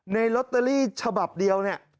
ลอตเตอรี่ฉบับเดียวเนี่ย